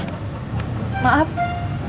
maaf tadi mas salah ngomong